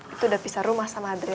itu udah pisah rumah sama adri